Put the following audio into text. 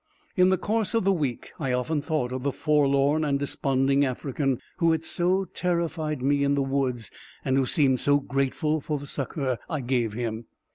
In the course of the week I often thought of the forlorn and desponding African, who had so terrified me in the woods, and who seemed so grateful for the succor I gave him.